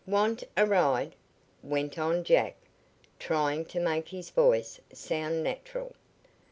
"Want a ride?" went on Jack, trying to make his voice sound natural.